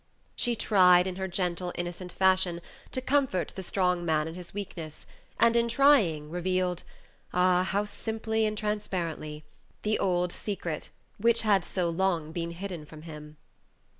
She tried, in her gentle, innocent fashion, to comfort the strong man in his weakness, and in trying revealed ah! how simply and transparently the old secret, which had so long been hidden from him.